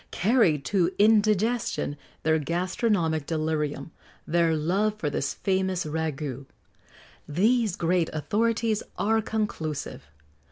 carried to indigestion their gastronomic delirium, their love for this famous ragoût.[XX 69] These great authorities are conclusive.